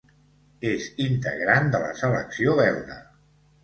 És integrant de la selecció belga.